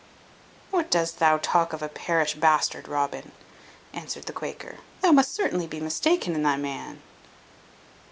"What dost thou talk of a parish bastard, Robin?" answered the Quaker. "Thou must certainly be mistaken in thy man."